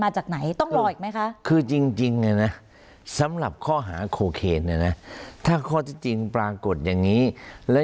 มาจากไหนต้องรออีกไหมคะคือจริงอ่ะน้า